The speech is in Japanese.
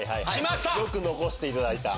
よく残していただいた。